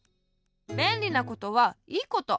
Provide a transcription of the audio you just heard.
べんりなことはいいこと。